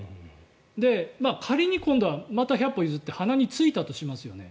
仮に今度はまた百歩譲って鼻についたとしますよね。